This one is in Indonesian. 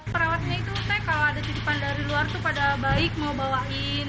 perawatnya itu saya kalau ada titipan dari luar tuh pada baik mau bawain